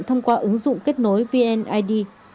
và thông qua ứng dụng kết nối vnid